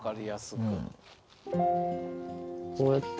こうやって。